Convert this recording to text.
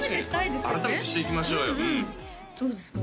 確かに改めてしていきましょうよどうですか？